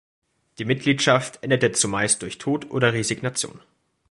Die Mitgliedschaft endete zumeist durch Tod oder Resignation.